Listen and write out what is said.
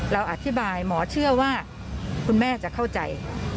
เราอธิบายหมอเชื่อว่าคุณแม่จะเข้าใจ